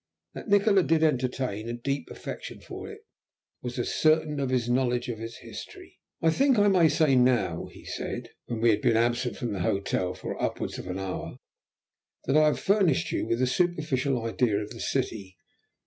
That Nikola did entertain a deep affection for it was as certain as his knowledge of its history. "I think I may say now," he said, when we had been absent from the hotel for upwards of an hour, "that I have furnished you with a superficial idea of the city.